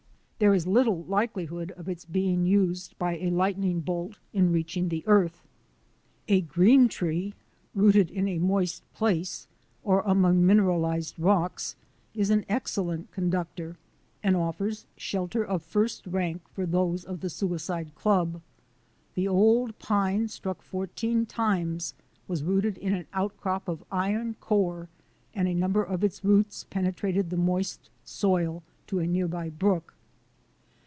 There is little likelihood of its being used by a lightning bolt in reaching the earth. A green tree rooted in a moist place or among mineralized rocks is an excellent conductor and offers shelter of first rank for those of the suicide club. The old pine struck fourteen times was rooted in an outcrop of iron ore and a number of its roots penetrated the moist soil to a near by brook.